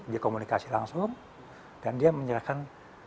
dia komunikasi langsung dan dia menyerahkan